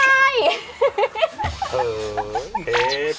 อังกฤษ